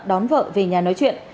đón vợ về nhà nói chuyện